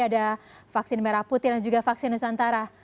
ada vaksin merah putih dan juga vaksin nusantara